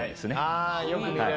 ああよく見る。